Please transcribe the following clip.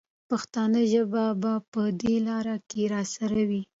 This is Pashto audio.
پښتو ژبه به په دې لاره کې راسره وي.